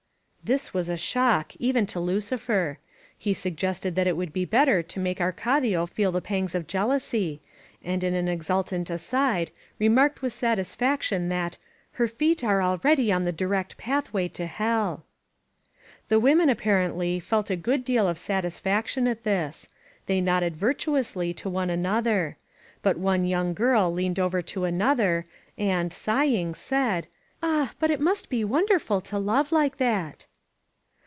This was a shock, even to Lucifer. He suggested that it would be better to make Arcadia feel the pangs of jealousy, and in an exultant aside remarked with S18 LOS PASTORES satisfaction that ^^her feet are already in the direct pathway to Hell." The women, apparently, felt a good deal of satis faction at this. They nodded virtuously to one an other. But one young girl leaned over to another, and, sighing, said: "Ah ! But it must be wonderful to love like that